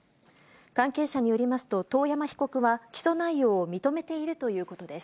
関係者によりますと、遠山被告は起訴内容を認めているということです。